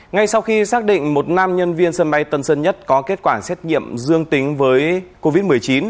ngay sau khi xác định một nam nhân viên sân bay tân sơn nhất có kết quả xét nghiệm dương tính với covid một mươi chín